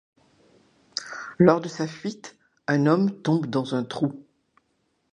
Lors de sa fuite, un homme tombe dans un trou.